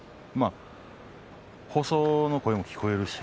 放送の声も聞こえるし